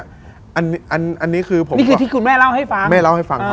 อันนี้คือที่คุณแม่เล่าให้ฟัง